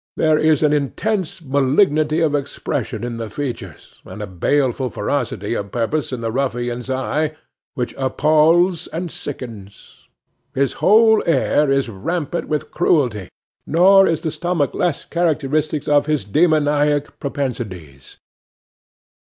There is an intense malignity of expression in the features, and a baleful ferocity of purpose in the ruffian's eye, which appals and sickens. His whole air is rampant with cruelty, nor is the stomach less characteristic of his demoniac propensities.